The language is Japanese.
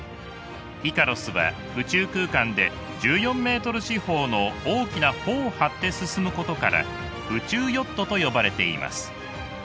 イカロスは宇宙空間で１４ｍ四方の大きな帆を張って進むことから宇宙ヨットと呼ばれています。